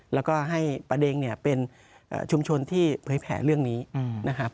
แล้วก็ให้ประเด็งเนี่ยเป็นชุมชนที่เผยแผลเรื่องนี้นะครับ